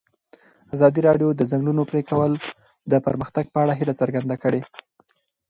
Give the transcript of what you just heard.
ازادي راډیو د د ځنګلونو پرېکول د پرمختګ په اړه هیله څرګنده کړې.